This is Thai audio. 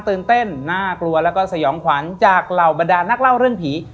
ตื่นเต้นน่ากลัวแล้วก็สยองขวัญจากเหล่าบรรดานักเล่าเรื่องผี